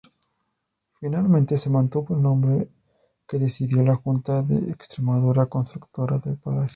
Finalmente se mantuvo el nombre que decidió la Junta de Extremadura, constructora del palacio.